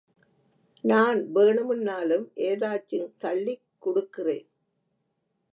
நான் வேணுமின்னாலும் எதாச்சுங் தள்ளிக் குடுக்கிறேன்.